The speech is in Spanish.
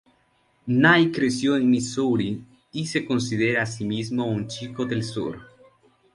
Knight creció en Missouri y se considera a sí mismo un "Chico del Sur".